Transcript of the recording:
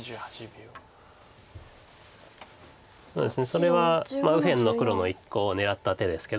それは右辺の黒の１個を狙った手ですけど。